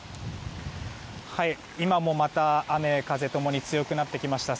今もまた雨風共に強くなってきました。